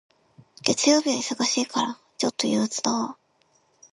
月曜日は忙しいから、ちょっと憂鬱だわ。